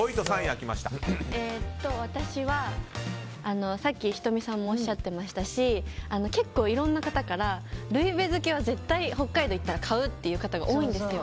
私はさっき仁美さんもおっしゃってましたし結構いろんな方からルイべ漬けは絶対北海道行ったら買うって方が多いんですよ。